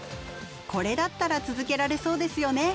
これだったら続けられそうですよね。